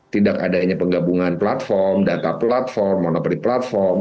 tidak adanya penggabungan platform data platform monopoli platform